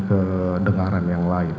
kedengaran yang lain